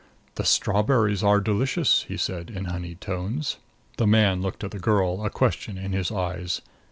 "The strawberries are delicious," he said in honeyed tones. The man looked at the girl, a question in his eyes.